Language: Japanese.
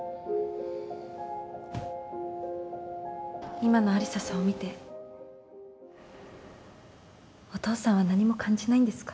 今の有沙さんを見てお父さんは何も感じないんですか？